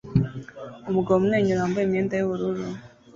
Umugabo umwenyura wambaye imyenda yubururu